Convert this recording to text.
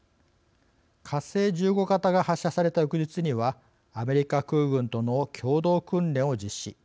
火星１５型が発射された翌日にはアメリカ空軍との共同訓練を実施。